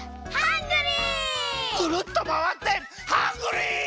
くるっとまわってハングリー！